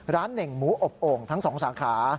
เน่งหมูอบโอ่งทั้ง๒สาขา